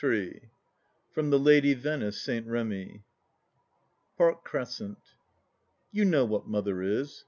Ill From The Lady Venice St. Remy Paek Cbescent. You know what Mother is.